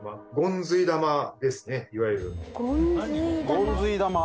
ゴンズイ玉？